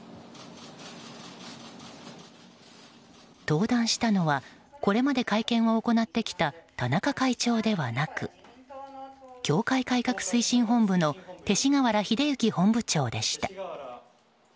登壇したのはこれまで会見を行ってきた田中会長ではなく教会改革推進本部の勅使河原秀行本部長でした。